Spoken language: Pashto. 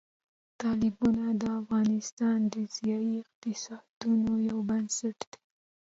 تالابونه د افغانستان د ځایي اقتصادونو یو بنسټ دی.